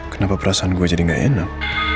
kenapa perasaan gue jadi gak enak